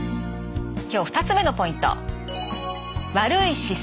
今日２つ目のポイント。